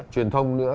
truyền thông nữa